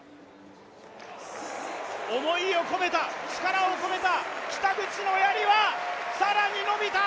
思いを込めた、力を込めた北口のやりは更に伸びた！